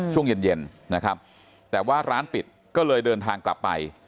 ช่วงเย็นเย็นนะครับแต่ว่าร้านปิดก็เลยเดินทางกลับไป